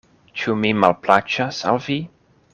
Ĉu mi malplaĉas al vi?